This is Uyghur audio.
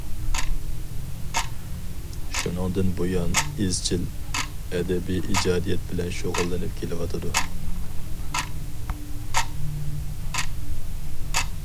شۇنىڭدىن بۇيان ئىزچىل ئەدەبىي ئىجادىيەت بىلەن شۇغۇللىنىپ كېلىۋاتىدۇ.